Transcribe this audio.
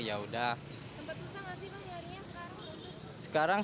tempat susah nggak sih bang harinya sekarang